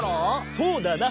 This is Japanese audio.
そうだな！